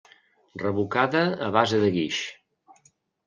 Revocada a base de guix.